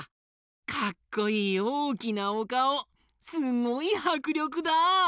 かっこいいおおきなおかおすごいはくりょくだ！